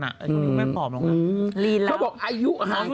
อันนี้คุณแม่ผอมลง